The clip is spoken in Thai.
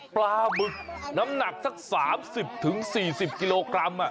ปลาหมึกน้ำหนักสัก๓๐๔๐กิโลกรัม